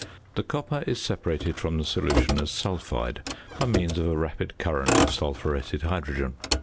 The copper is separated from the solution as sulphide by means of a rapid current of sulphuretted hydrogen.